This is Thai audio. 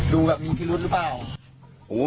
ดูกลับมีธุรุตหรือเปล่า